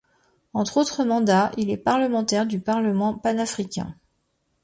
Entre autres mandats, il est parlementaire du Parlement panafricain.